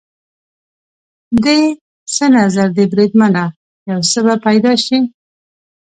دې څه نظر دی بریدمنه؟ یو څه به پیدا شي.